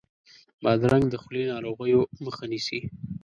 بادرنګ د خولې ناروغیو مخه نیسي.